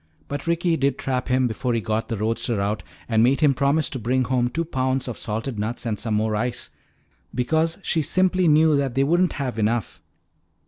But Ricky did trap him before he got the roadster out and made him promise to bring home two pounds of salted nuts and some more ice, because she simply knew that they wouldn't have enough.